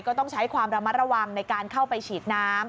ก็ต้องใช้ความระมัดระวังในการเข้าไปฉีดน้ำ